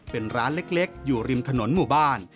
เป็นร้านเล็กอยู่ริมถนนหมู่บ้าน